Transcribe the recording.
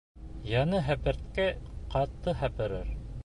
Яңы һепертке ҡаты һеперер.